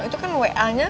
itu kan wa nya